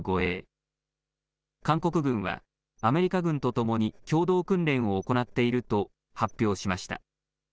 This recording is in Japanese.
韓国軍はアメリカ軍とともに共同訓練を行っていると発表しました。